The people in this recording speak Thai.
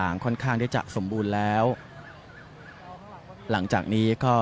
หลังจากนี้ก็จะรอมวลชนที่จะเดินทางเข้ามาในพื้นที่